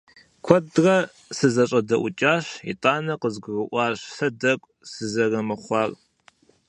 Куэдрэ сызэщӀэдэӀукӀащ, итӀанэ къызгурыӀуащ сэ дэгу сызэрымыхъуар.